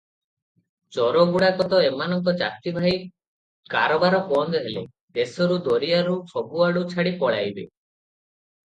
ଚୋରଗୁଡ଼ାକ ତ ଏମାନଙ୍କ ଜାତି ଭାଇ, କାରବାର ବନ୍ଦ ହେଲେ ଦେଶରୁ ଦରିଆରୁ ସବୁଆଡୁ ଛାଡ଼ି ପଳାଇବେ ।